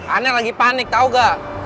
anak lagi panik tau gak